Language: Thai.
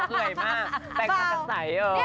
น้องเหลื่อมากแฟนคาดลัดใสเหอะว่า